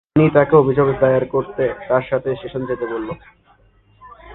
তিনি তাকে অভিযোগ দায়ের করতে তার সাথে স্টেশনে যেতে বললেন।